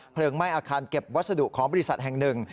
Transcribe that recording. ไหม้อาคารเก็บวัสดุของบริษัทแห่งหนึ่ง